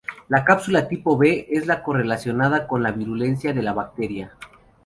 La cápsula tipo b es la más correlacionada con la virulencia de la bacteria.